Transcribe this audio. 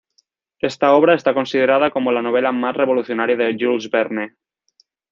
Esta obra está considerada como la novela más revolucionaria de Jules Verne.